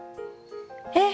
えっ！